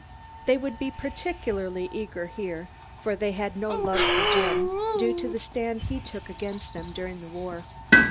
They would be particularly eager here, for they had no love for Jim, due to the stand he took against them during the war.